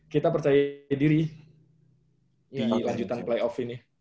kita percaya diri di lanjutan playoff ini